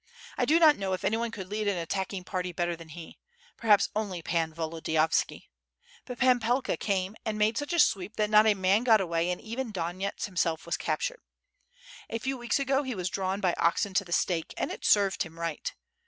I do not know if anyone could lead an attacking party better than he — perhaps only Pan Volodiyovski. But Pan Pelka came and made such a sweep that not a man got away and even Don yets himself w^as captured. A few weeks ago he was drawn by oxen to the stake — ^and it served him right.